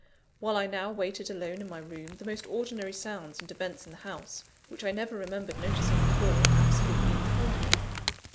While I now waited alone in my room, the most ordinary sounds and events in the house, which I never remembered noticing before, absolutely enthralled me.